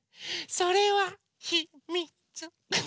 それはひ・み・つ。